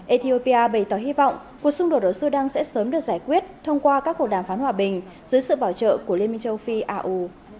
ethiopia bày tỏ hy vọng cuộc xung đột ở sudan sẽ sớm được giải quyết thông qua các cuộc đàm phán hòa bình dưới sự bảo trợ của liên minh châu phi au